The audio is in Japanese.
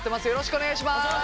よろしくお願いします！